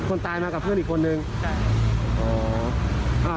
พอยิงเสร็จเพื่อนเรารบหรือไง